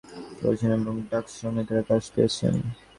তিনি বেলগ্রেডে থাকতে পছন্দ করেছেন এবং ডাক শ্রমিক হিসাবে কাজ পেয়েছেন।